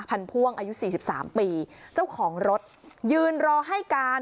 พ่วงอายุสี่สิบสามปีเจ้าของรถยืนรอให้การ